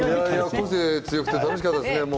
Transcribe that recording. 個性が強くて楽しかったですね。